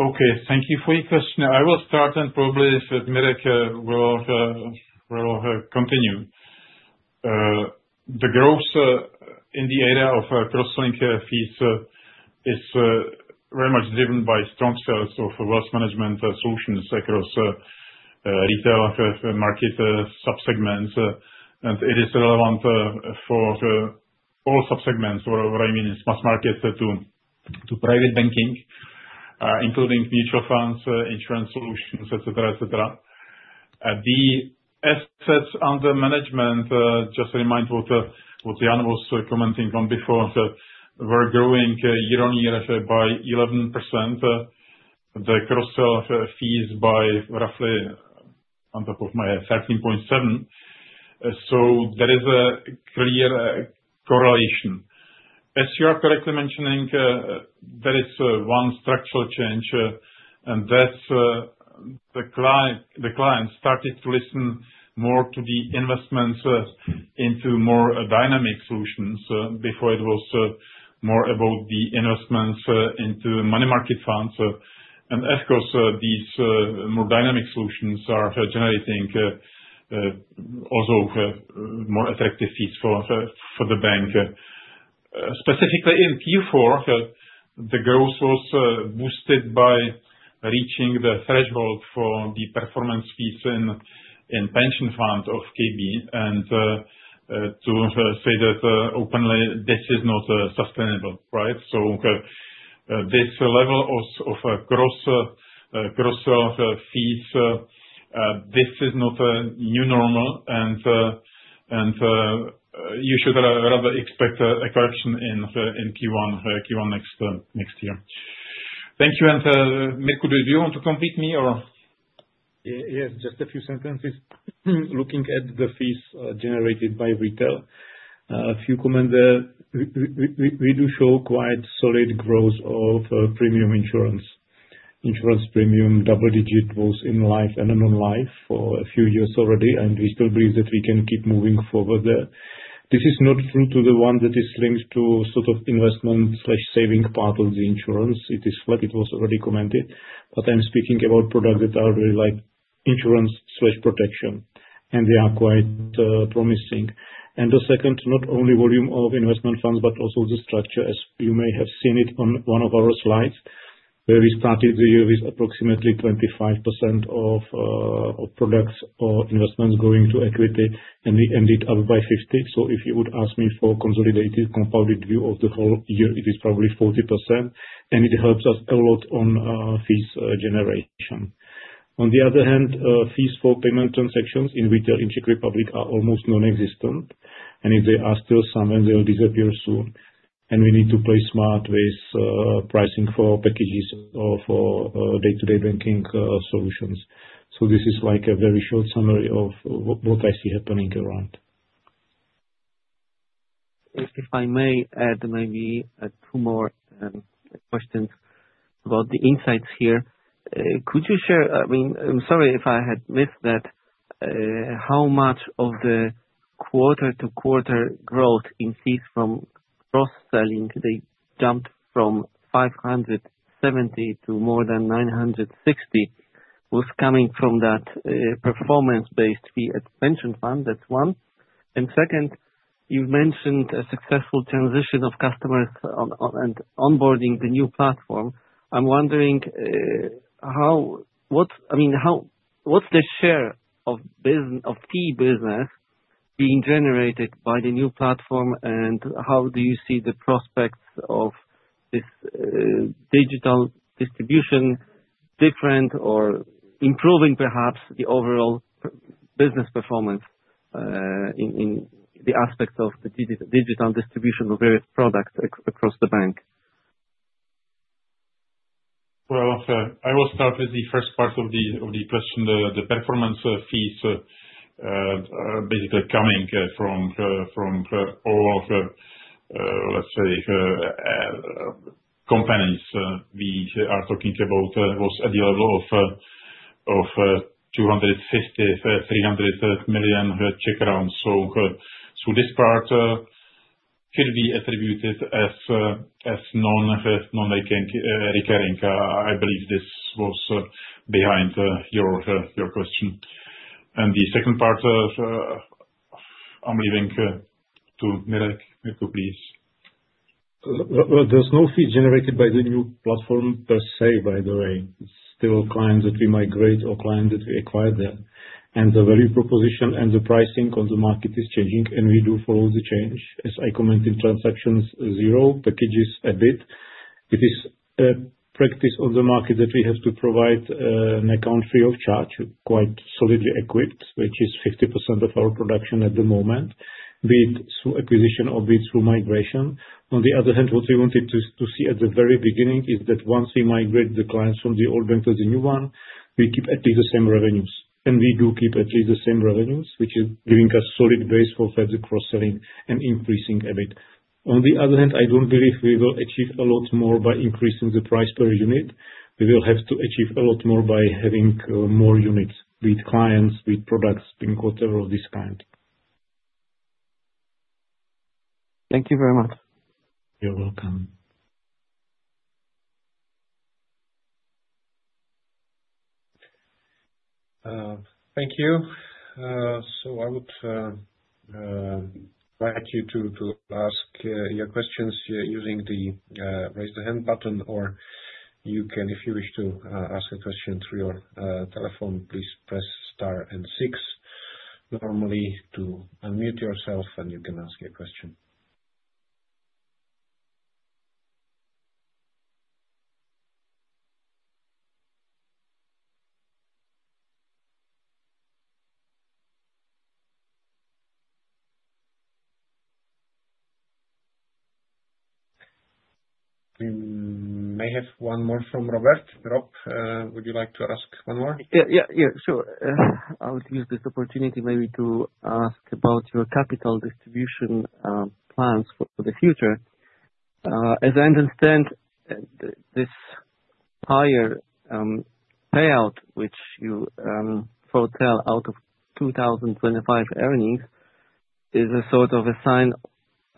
Okay. Thank you for your question. I will start, and probably Mirek will continue. The growth in the area of cross-selling fees is very much driven by strong sales of wealth management solutions across retail market subsegments, and it is relevant for all subsegments, what I mean is mass market to private banking, including mutual funds, insurance solutions, etc., etc. The assets under management, just to remind what Jan was commenting on before, were growing year-on-year by 11%. The cross-sell fees by roughly on top of my head 13.7%. So there is a clear correlation. As you are correctly mentioning, there is one structural change, and that's the client started to listen more to the investments into more dynamic solutions before it was more about the investments into money market funds, and of course, these more dynamic solutions are generating also more attractive fees for the bank. Specifically in Q4, the growth was boosted by reaching the threshold for the performance fees in pension fund of KB. And to say that openly, this is not sustainable, right? So this level of cross-sell fees, this is not a new normal, and you should rather expect a correction in Q1 next year. Thank you. And Mirek, would you want to complete me or? Yes, just a few sentences. Looking at the fees generated by retail, a few comments. We do show quite solid growth of premium insurance. Insurance premium double-digit both in life and non-life for a few years already, and we still believe that we can keep moving forward there. This is not true to the one that is linked to sort of investment/saving part of the insurance. It is flat. It was already commented. But I'm speaking about products that are really like insurance/protection, and they are quite promising. And the second, not only volume of investment funds, but also the structure, as you may have seen it on one of our slides, where we started the year with approximately 25% of products or investments going to equity, and we ended up by 50%. So if you would ask me for a consolidated compounded view of the whole year, it is probably 40%, and it helps us a lot on fees generation. On the other hand, fees for payment transactions in retail in Czech Republic are almost non-existent, and if there are still some, they will disappear soon. And we need to play smart with pricing for packages or for day-to-day banking solutions. So this is like a very short summary of what I see happening around. If I may add maybe two more questions about the insights here. Could you share, I mean, I'm sorry if I had missed that, how much of the quarter-to-quarter growth in fees from cross-selling, they jumped from 570 to more than 960, was coming from that performance-based fee at pension fund? That's one. And second, you mentioned a successful transition of customers and onboarding the new platform. I'm wondering how, I mean, what's the share of fee business being generated by the new platform, and how do you see the prospects of this digital distribution different or improving perhaps the overall business performance in the aspect of the digital distribution of various products across the bank? Well, I will start with the first part of the question, the performance fees, basically coming from all of, let's say, companies we are talking about, was at the level of 250 million-300 million. So this part could be attributed as non-recurring. I believe this was behind your question. And the second part, I'm leaving to Mirek. Mirek, please. There's no fee generated by the new platform per se, by the way. It's still clients that we migrate or clients that we acquire there, and the value proposition and the pricing on the market is changing, and we do follow the change. As I commented, transactions zero, packages a bit. It is a practice on the market that we have to provide an account free of charge, quite solidly equipped, which is 50% of our production at the moment, be it through acquisition or be it through migration. On the other hand, what we wanted to see at the very beginning is that once we migrate the clients from the old bank to the new one, we keep at least the same revenues, and we do keep at least the same revenues, which is giving us a solid base for further cross-selling and increasing a bit. On the other hand, I don't believe we will achieve a lot more by increasing the price per unit. We will have to achieve a lot more by having more units, be it clients, be it products, PIN code, or this kind. Thank you very much. You're welcome. Thank you. So I would invite you to ask your questions using the raise the hand button, or you can, if you wish to ask a question through your telephone, please press star and six. Normally, to unmute yourself, and you can ask your question. We may have one more from Robert. Rob, would you like to ask one more? Yeah, yeah, yeah. Sure. I would use this opportunity maybe to ask about your capital distribution plans for the future. As I understand, this higher payout, which you foretell out of 2025 earnings, is a sort of a sign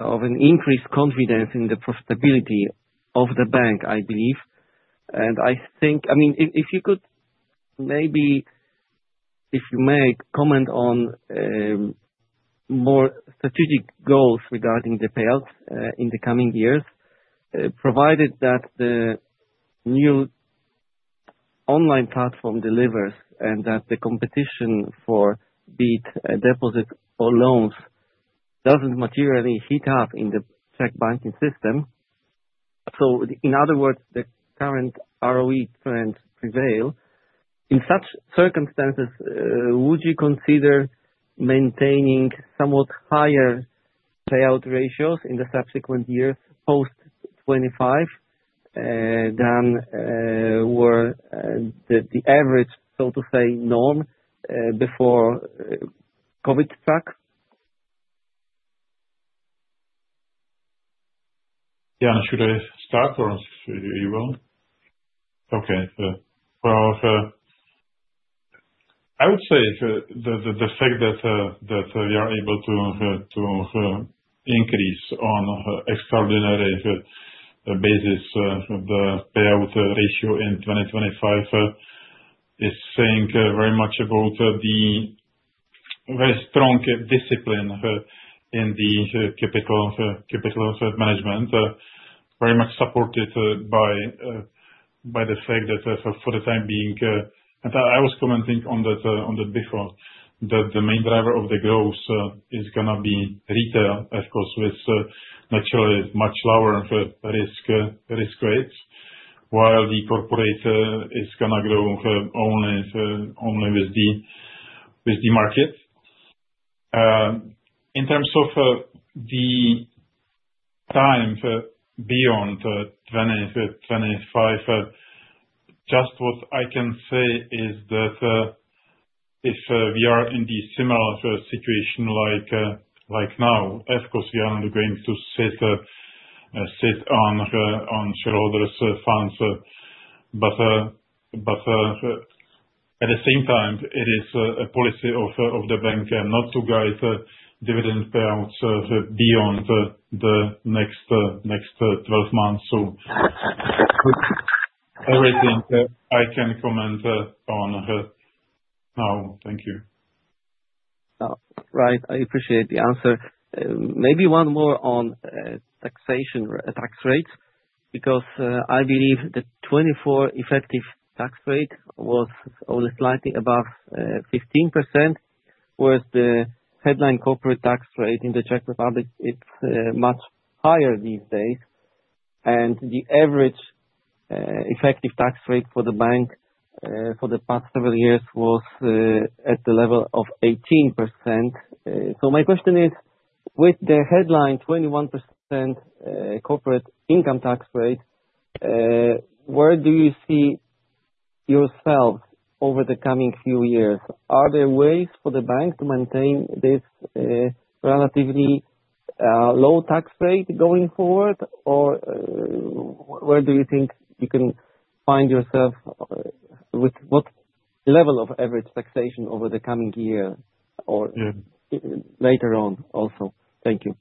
of an increased confidence in the profitability of the bank, I believe. And I think, I mean, if you could maybe, if you may, comment on more strategic goals regarding the payouts in the coming years, provided that the new online platform delivers and that the competition for be it deposits or loans doesn't materially heat up in the Czech banking system. So in other words, the current ROE trends prevail. In such circumstances, would you consider maintaining somewhat higher payout ratios in the subsequent years post 2025 than were the average, so to say, norm before COVID struck? Jan, should I start, or are you on? Okay. Well, I would say the fact that we are able to increase on an extraordinary basis the payout ratio in 2025 is saying very much about the very strong discipline in the capital management, very much supported by the fact that for the time being, and I was commenting on that before, that the main driver of the growth is going to be retail, of course, with naturally much lower risk rates, while the corporate is going to grow only with the market. In terms of the time beyond 2025, just what I can say is that if we are in the similar situation like now, of course, we are not going to sit on shareholders' funds. But at the same time, it is a policy of the bank not to guide dividend payouts beyond the next 12 months. So everything I can comment on now. Thank you. Right. I appreciate the answer. Maybe one more on taxation tax rates, because I believe the 2024 effective tax rate was only slightly above 15%, whereas the headline corporate tax rate in the Czech Republic, it's much higher these days. And the average effective tax rate for the bank for the past several years was at the level of 18%. So my question is, with the headline 21% corporate income tax rate, where do you see yourselves over the coming few years? Are there ways for the bank to maintain this relatively low tax rate going forward, or where do you think you can find yourself with what level of average taxation over the coming year or later on also? Thank you.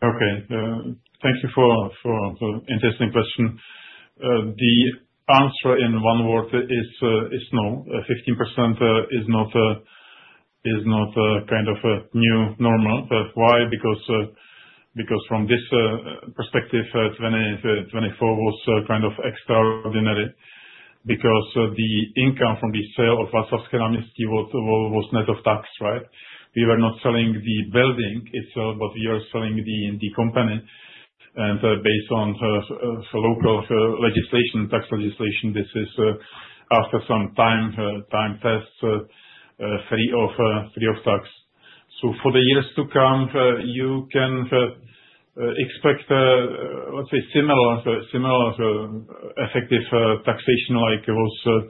Okay. Thank you for the interesting question. The answer in one word is no. 15% is not kind of new normal. Why? Because from this perspective, 2024 was kind of extraordinary because the income from the sale of Václavské náměstí was net of tax, right? We were not selling the building itself, but we were selling the company. And based on local legislation, tax legislation, this is after some time, it's free of tax. So for the years to come, you can expect, let's say, similar effective taxation like it was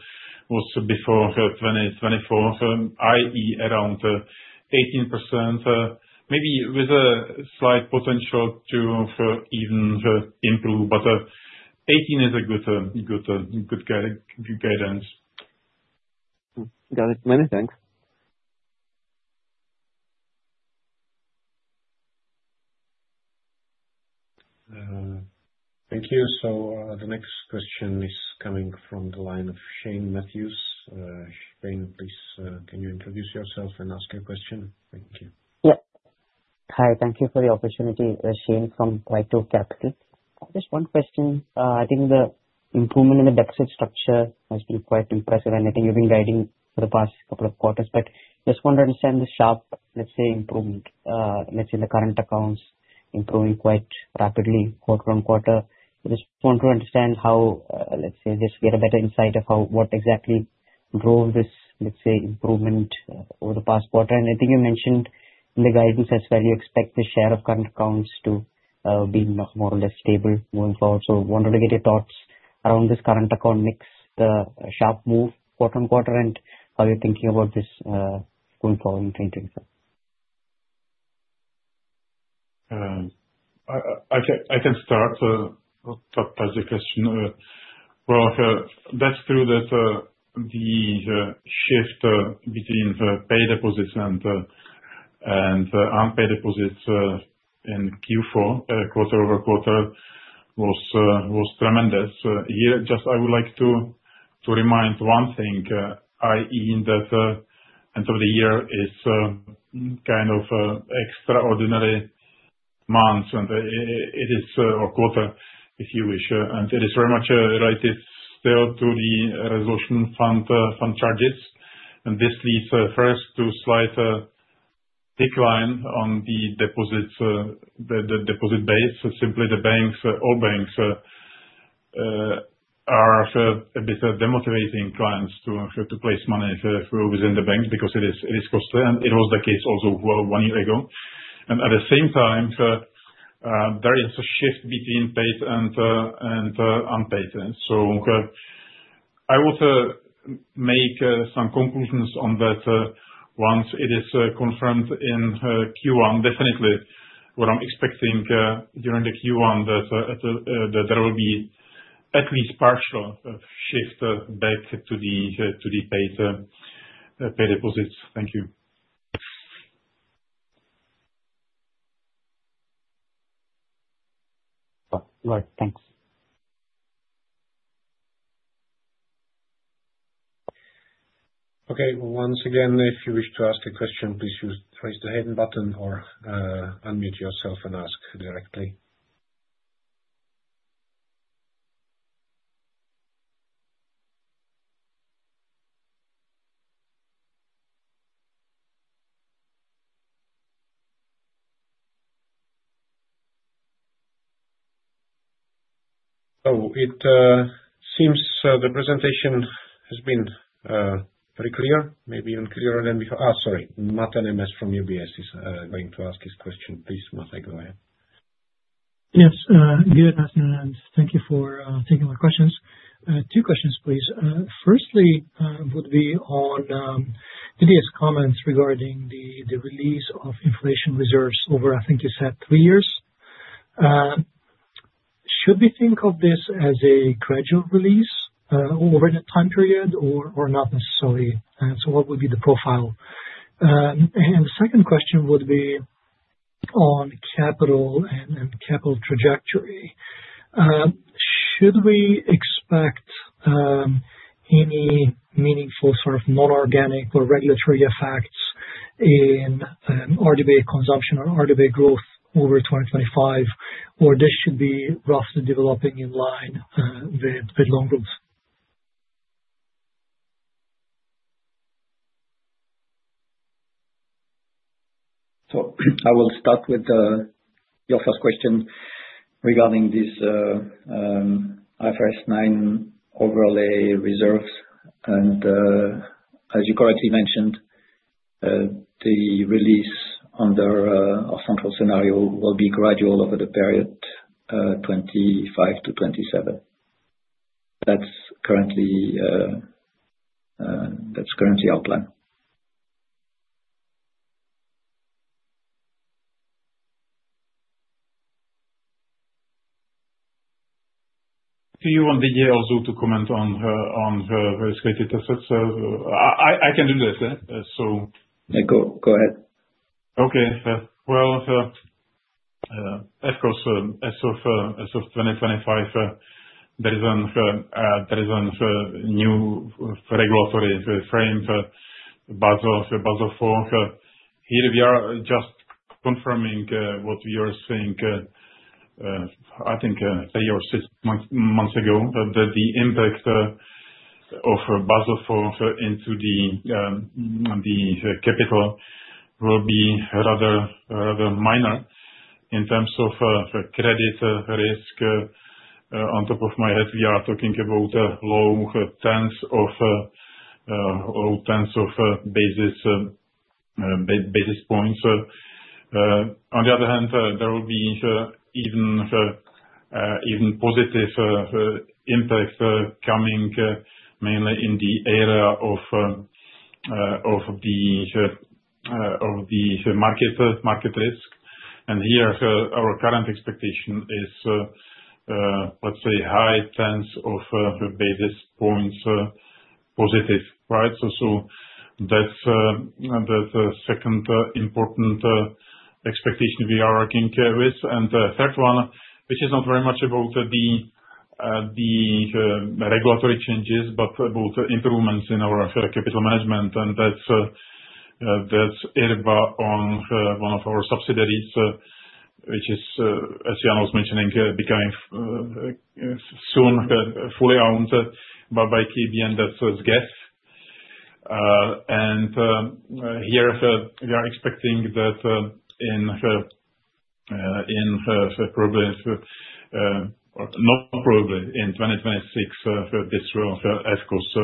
before 2024, i.e., around 18%, maybe with a slight potential to even improve. But 18 is a good guidance. Got it. Many thanks. Thank you. So the next question is coming from the line of Shane Mathews. Shane, please, can you introduce yourself and ask your question? Thank you. Yeah. Hi. Thank you for the opportunity. Shane from WhiteOak Capital. Just one question. I think the improvement in the deposit structure has been quite impressive, and I think you've been guiding for the past couple of quarters. But just want to understand the sharp, let's say, improvement. Let's say the current accounts improving quite rapidly quarter on quarter. I just want to understand how, let's say, just get a better insight of what exactly drove this, let's say, improvement over the past quarter. And I think you mentioned in the guidance as well, you expect the share of current accounts to be more or less stable going forward. So wanted to get your thoughts around this current account mix, the sharp move quarter on quarter, and how you're thinking about this going forward in 2024. I can start. I'll touch the question. Well, that's true that the shift between paid deposits and unpaid deposits in Q4, quarter-over-quarter, was tremendous. Here, just I would like to remind one thing, i.e., that end of the year is kind of extraordinary month, or quarter, if you wish. And it is very much related still to the resolution fund charges. And this leads first to a slight decline on the deposit base. Simply, the banks, all banks, are a bit demotivating clients to place money within the bank because it is costly. And it was the case also one year ago. And at the same time, there is a shift between paid and unpaid. So I would make some conclusions on that once it is confirmed in Q1. Definitely, what I'm expecting during the Q1, that there will be at least partial shift back to the paid deposits. Thank you. Right. Thanks. Okay. Once again, if you wish to ask a question, please raise the hand button or unmute yourself and ask directly. So it seems the presentation has been very clear, maybe even clearer than before. Oh, sorry. Mate Nemes from UBS is going to ask his question. Please, Mate, go ahead. Yes. Good afternoon, and thank you for taking my questions. Two questions, please. Firstly would be on Didier's comments regarding the release of inflation reserves over, I think you said, three years. Should we think of this as a gradual release over the time period or not necessarily? And so what would be the profile? And the second question would be on capital and capital trajectory. Should we expect any meaningful sort of non-organic or regulatory effects in RWA consumption or RWA growth over 2025, or this should be roughly developing in line with loan growth? I will start with your first question regarding this IFRS 9 overlay reserves. As you correctly mentioned, the release under our central scenario will be gradual over the period 2025-2027. That's currently our plan. Do you want also to comment on risk-weighted assets? I can do this, so. Go ahead. Okay. Of course, as of 2025, there is a new regulatory frame, Basel IV. Here, we are just confirming what we were saying, I think, three or six months ago, that the impact of Basel IV into the capital will be rather minor in terms of credit risk. On top of my head, we are talking about low tenths of basis points. On the other hand, there will be even positive impact coming mainly in the area of the market risk. And here, our current expectation is, let's say, high tenths of basis points positive, right? So that's the second important expectation we are working with. And the third one, which is not very much about the regulatory changes, but about improvements in our capital management. And that's IRBA on one of our subsidiaries, which is, as Jan was mentioning, becoming soon fully owned by KB and that's SGEF. Here, we are expecting that in 2026, this will, of course,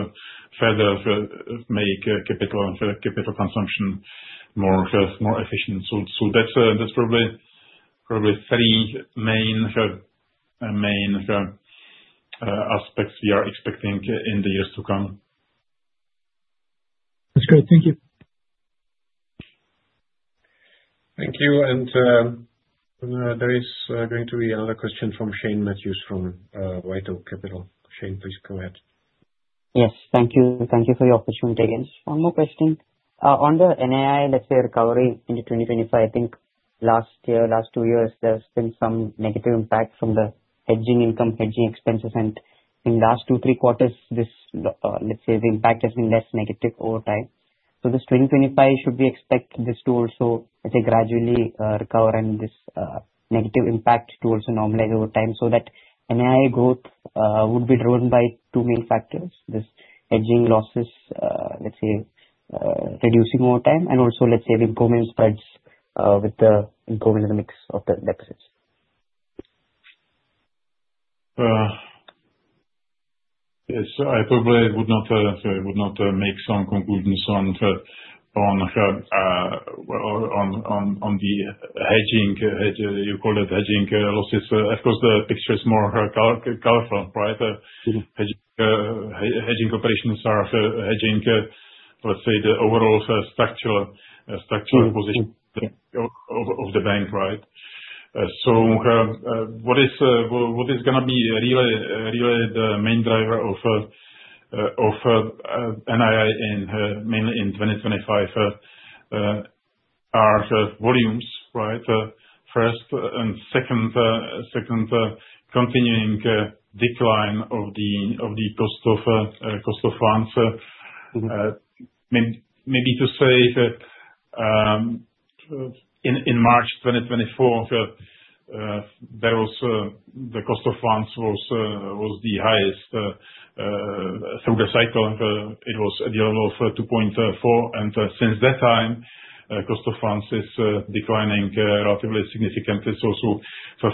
further make capital consumption more efficient. That's probably three main aspects we are expecting in the years to come. That's great. Thank you. Thank you. And there is going to be another question from Shane Mathews from WhiteOak Capital. Shane, please go ahead. Yes. Thank you. Thank you for your opportunity again to form a question. On the NII, let's say, recovery into 2025, I think last year, last two years, there's been some negative impact from the hedging income, hedging expenses. And in the last two, three quarters, let's say, the impact has been less negative over time. So this 2025, we should expect this to also, let's say, gradually recover and this negative impact to also normalize over time so that NII growth would be driven by two main factors: this hedging losses, let's say, reducing over time, and also, let's say, the improvement spreads with the improvement in the mix of the deposits. Yes. I probably would not make some conclusions on the hedging, you call it hedging losses. Of course, the picture is more colorful, right? Hedging operations are hedging, let's say, the overall structural position of the bank, right? So what is going to be really the main driver of NII mainly in 2025 are volumes, right? First, and second, continuing decline of the cost of funds. Maybe to say that in March 2024, the cost of funds was the highest through the cycle. It was at the level of 2.4. And since that time, cost of funds is declining relatively significantly. So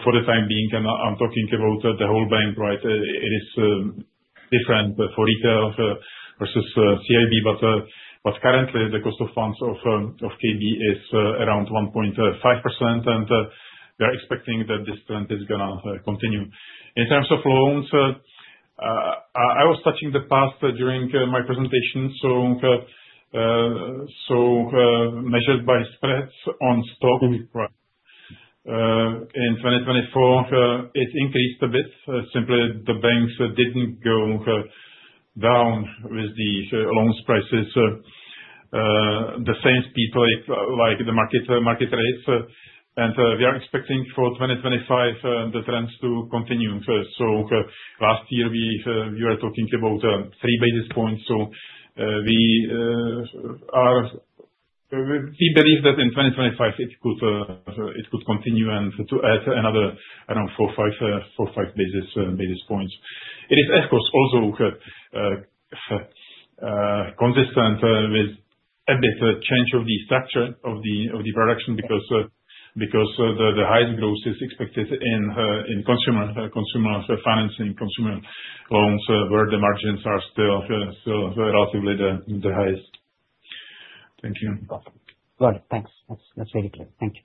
for the time being, and I'm talking about the whole bank, right? It is different for Retail versus CIB. But currently, the cost of funds of KB is around 1.5%. And we are expecting that this trend is going to continue. In terms of loans, I was touching on the past during my presentation, so measured by spreads on stock, right? In 2024, it increased a bit. Simply, the banks didn't go down with the loan prices, the same speed like the market rates, and we are expecting for 2025, the trends to continue, so last year, we were talking about 3 basis points, so we believe that in 2025, it could continue and to add another around 4 basis points, 5 basis points. It is, of course, also consistent with a bit of change of the structure of the production because the highest growth is expected in consumer financing, consumer loans, where the margins are still relatively the highest. Thank you. Got it. Thanks. That's very clear. Thank you.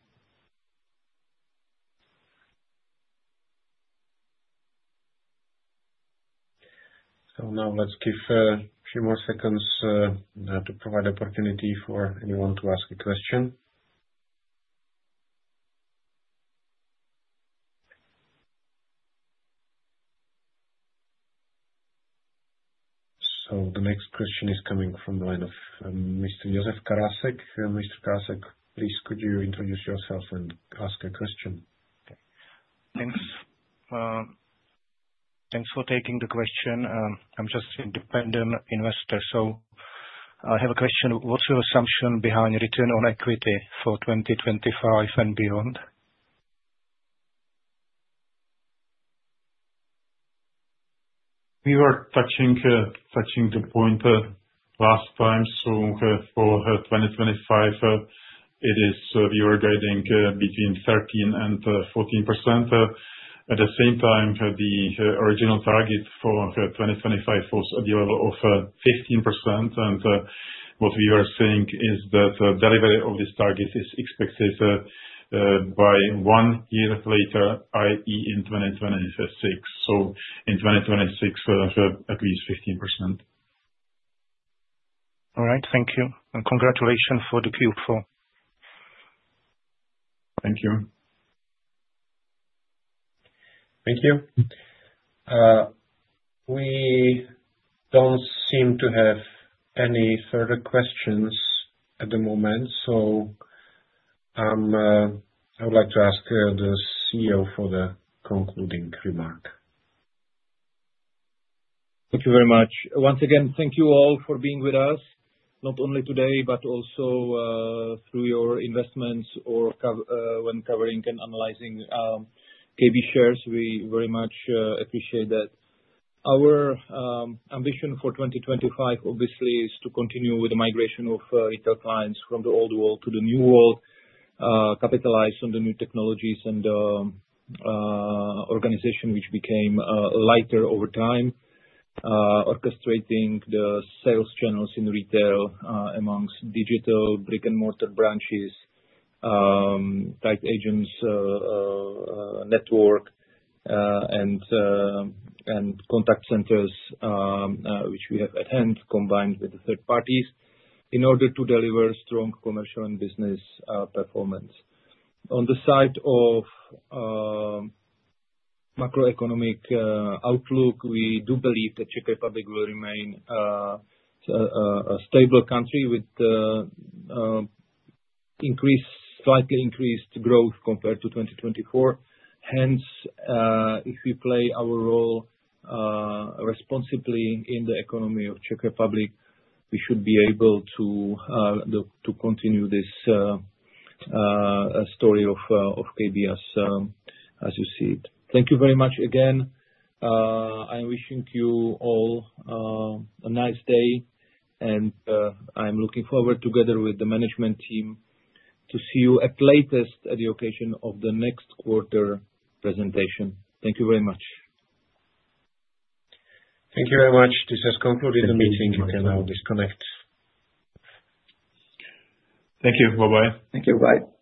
So now let's give a few more seconds to provide opportunity for anyone to ask a question. So the next question is coming from the line of Mr. Josef Karásek. Mr. Karásek, please, could you introduce yourself and ask a question? Thanks. Thanks for taking the question. I'm just an independent investor. So I have a question. What's your assumption behind return on equity for 2025 and beyond? We were touching the point last time. So for 2025, we were guiding between 13% and 14%. At the same time, the original target for 2025 was at the level of 15%. And what we were saying is that delivery of this target is expected by one year later, i.e., in 2026. So in 2026, at least 15%. All right. Thank you and congratulations for the Q4. Thank you. Thank you. We don't seem to have any further questions at the moment. So I would like to ask the CEO for the concluding remark. Thank you very much. Once again, thank you all for being with us, not only today, but also through your investments or when covering and analyzing KB shares. We very much appreciate that. Our ambition for 2025, obviously, is to continue with the migration of retail clients from the old world to the new world, capitalize on the new technologies and organization, which became lighter over time, orchestrating the sales channels in retail amongst digital brick-and-mortar branches, tied agents network, and contact centers, which we have at hand, combined with the third parties in order to deliver strong commercial and business performance. On the side of macroeconomic outlook, we do believe that the Czech Republic will remain a stable country with slightly increased growth compared to 2024. Hence, if we play our role responsibly in the economy of the Czech Republic, we should be able to continue this story of KB as you see it. Thank you very much again. I'm wishing you all a nice day, and I'm looking forward, together with the management team, to see you at the latest at the occasion of the next quarter presentation. Thank you very much. Thank you very much. This has concluded the meeting. We can now disconnect. Thank you. Bye-bye. Thank you. Bye.